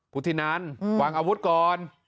พุทธินันวางอาวุธก่อน